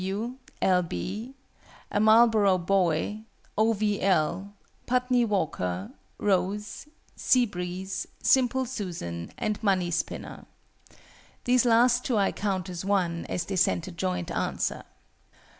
W., L. B., A MARLBOROUGH BOY, O. V. L., PUTNEY WALKER, ROSE, SEA BREEZE, SIMPLE SUSAN, and MONEY SPINNER. (These last two I count as one, as they send a joint answer.)